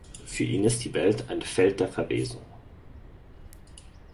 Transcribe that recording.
Für ihn ist die Welt ein Feld der Verwesung.